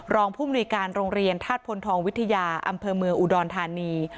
ผู้มนุยการโรงเรียนธาตุพลทองวิทยาอำเภอเมืองอุดรธานี